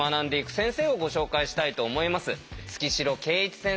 先生